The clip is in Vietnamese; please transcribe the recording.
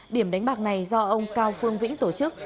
điểm đánh bạc này do ông cao phương vĩnh tổ chức